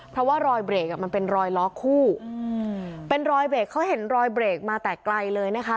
เพราะว่ารอยเบรกอ่ะมันเป็นรอยล้อคู่เป็นรอยเบรกเขาเห็นรอยเบรกมาแต่ไกลเลยนะคะ